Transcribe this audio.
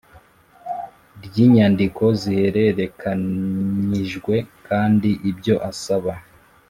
Ry Inyandiko Zihererekanyijwe Kandi Ibyo Asaba